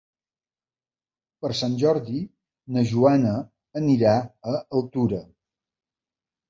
Per Sant Jordi na Joana anirà a Altura.